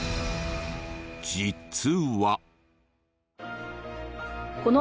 実は。